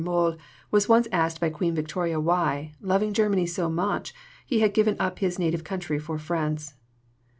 Mohl was once asked by Queen Victoria why, loving Germany so much, he had given up his native country for France.